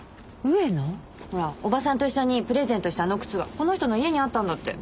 ほらおばさんと一緒にプレゼントしたあの靴がこの人の家にあったんだって。